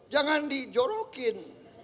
jangan di jorokin